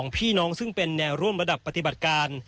พี่น้องซึ่งเป็นแนวร่วมระดับปฏิบัติการ